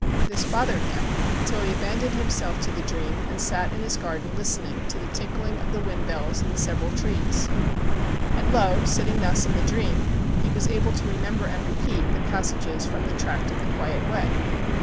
This bothered him, until he abandoned himself to the dream and sat in his garden listen ing to the tinkling of the wind bells in the sev eral trees. And lo ! sitting thus, in the dream, he was able to remember and repeat the passages from "The Tract of the Quiet Way."